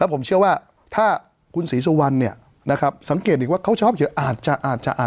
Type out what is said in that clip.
แล้วผมเชื่อว่าถ้าคุณศรีสุวรรณสังเกตอีกว่าเขาชอบเยอะอาจจะ